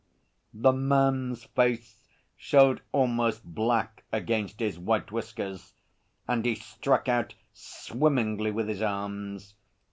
The man's face showed almost black against his white whiskers, and he struck out swimmingly with his arms.